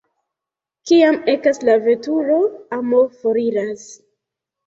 Kiam ekas la veturo, amo foriras.